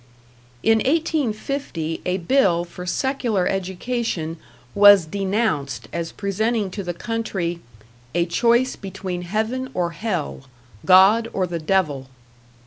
In 1850 a bill for secular education was denounced as presenting to the country "a choice between Heaven or Hell, God or the Devil."